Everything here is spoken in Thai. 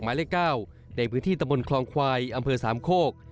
หมายเลข๙ในพื้นที่ตะบนคลองควายอำเภอสามโคก